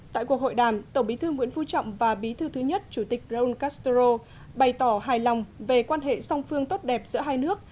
tại cuộc hội đàm tổng bí thư nguyễn phú trọng và bí thư thứ nhất chủ tịch groul castro bày tỏ hài lòng về quan hệ song phương tốt đẹp giữa hai nước